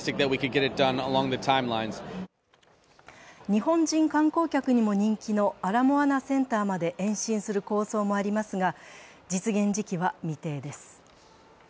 日本人観光客にも人気のアラモアナセンターまで延伸する構想もありますが、実現時期は未定です。